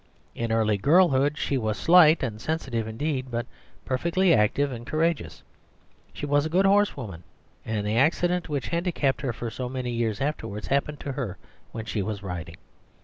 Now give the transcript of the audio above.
In early girlhood she was slight and sensitive indeed, but perfectly active and courageous. She was a good horsewoman, and the accident which handicapped her for so many years afterwards happened to her when she was riding.